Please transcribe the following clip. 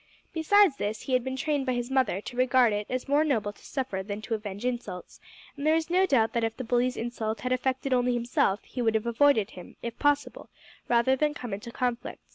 Besides this, he had been trained by his mother to regard it as more noble to suffer than to avenge insults, and there is no doubt that if the bully's insult had affected only himself he would have avoided him, if possible, rather than come into conflict.